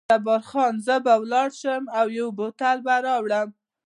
جبار خان: زه به ولاړ شم او یو بوتل به راوړم.